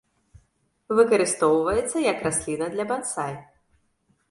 Выкарыстоўваецца як расліна для бансай.